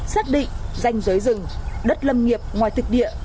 xác định danh giới rừng đất lâm nghiệp ngoài thực địa